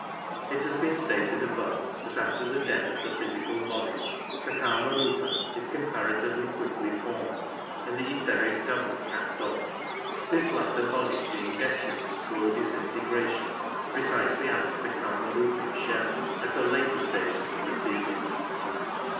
It has been stated above that after the death of the physical body the Kamariipa is comparatively quickly formed, and the etheric double cast off — this latter body being destined to slow disintegration, precisely as is the k^marupic shell at a later stage of the proceedings.